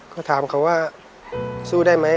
ก็ถามเขาว่าสู้ได้ไหม